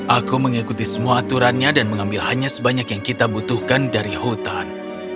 aku mengikuti semua aturannya dan mengambil hanya sebanyak yang kita butuhkan dari hutan